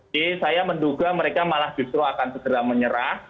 jadi saya menduga mereka malah justru akan segera menyerah